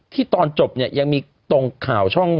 ที่ตอนจบยังมีตรงข่าว